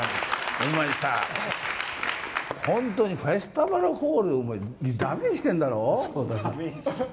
お前さ、本当にフェスティバルホールだめにしてるんだろ？